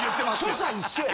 所作一緒や！